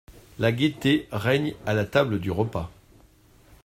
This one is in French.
La gaîté règne à la table du repas.